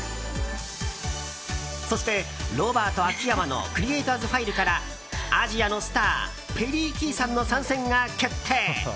そして「ロバート秋山のクリエイターズ・ファイル」からアジアのスターペリー・キーさんの参戦が決定。